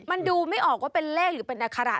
มันดูไม่ออกว่าเป็นเลขหรือเป็นอัคระ